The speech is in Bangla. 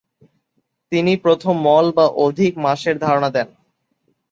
তিনি প্রথম "মল" বা "অধিক" মাসের ধারণা দেন।